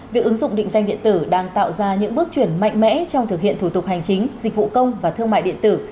việc ứng dụng định danh điện tử đang tạo ra những bước chuyển mạnh mẽ trong thực hiện thủ tục hành chính dịch vụ công và thương mại điện tử